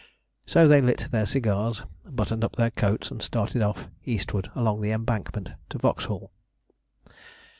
So they lit their cigars, buttoned up their coats, and started off eastward along the Embankment to Vauxhall.